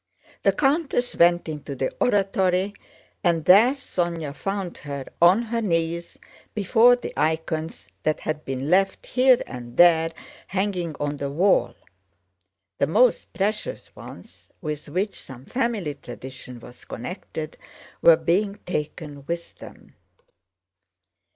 The countess went into the oratory and there Sónya found her on her knees before the icons that had been left here and there hanging on the wall. (The most precious ones, with which some family tradition was connected, were being taken with them.)